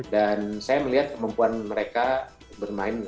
dan saya melihat kemampuan mereka bermain